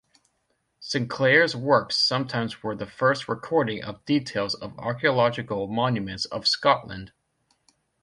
Sinclair's works sometimes were the first recording of details of archaeological monuments of Scotland.